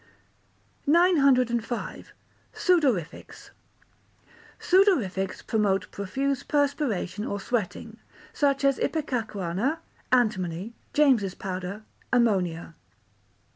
905. Sudorifics Sudorifics promote profuse perspiration or sweating, such as ipecacuanha, antimony, James's powder, ammonia.